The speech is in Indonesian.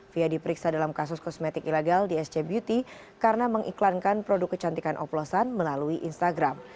fia diperiksa dalam kasus kosmetik ilegal di sc beauty karena mengiklankan produk kecantikan oplosan melalui instagram